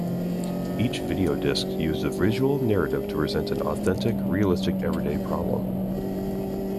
Each videodisc used a visual narrative to present an authentic, realistic everyday problem.